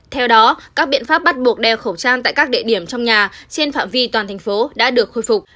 theo đó các biện pháp bắt buộc đeo khẩu trang tại các địa điểm trong nhà trên phạm vi toàn thành phố đã được khôi phục